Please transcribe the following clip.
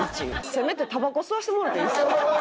せめてタバコ吸わしてもろていいですか？